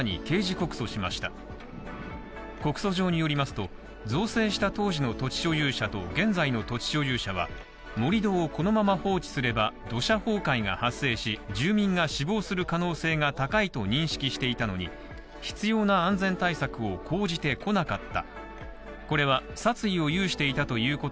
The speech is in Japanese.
告訴状によりますと、造成した当時の土地所有者と現在の土地所有者は盛り土をこのまま放置すれば、土砂崩壊が発生し、住民が死亡する可能性が高いと認識していたのに必要な安全対策を講じてこなかった。